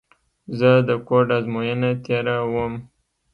زه د کوډ ازموینه تېره ووم.